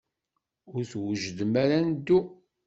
Mi twejdem, ad neddu.